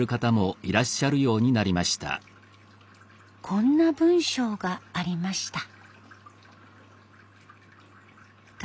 こんな文章がありました。